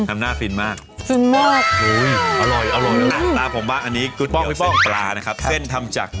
มาแล้วครับ